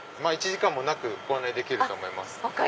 １時間もなくご案内できると思います。